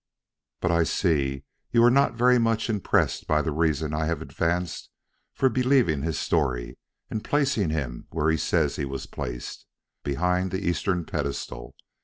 But I see you are not very much impressed by the reason I have advanced for believing his story and placing him where he says he was placed, behind the eastern pedestal.